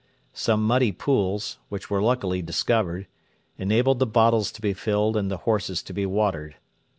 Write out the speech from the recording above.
Some muddy pools, which were luckily discovered, enabled the bottles to be filled and the horses to be watered.